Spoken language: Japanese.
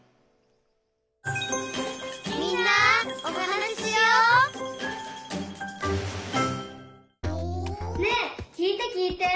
「みんなおはなししよう」ねえきいてきいて。